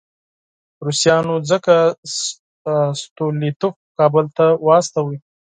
روسانو ځکه ستولیتوف کابل ته واستاوه.